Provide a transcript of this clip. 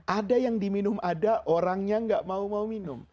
ada yang diminum ada orangnya nggak mau mau minum